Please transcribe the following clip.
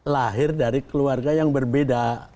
lahir dari keluarga yang berbeda